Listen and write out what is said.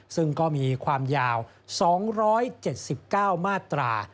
ซึ่งก็มีความยาว๒๗๙มาตรา